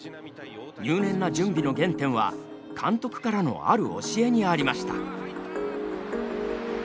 入念な準備の原点は監督からのある教えにありました。